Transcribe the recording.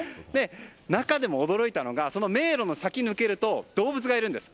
中でも驚いたのが迷路の先を抜けると動物がいるんです。